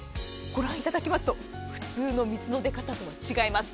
ご覧いただきますと普通の水の出方とは違います。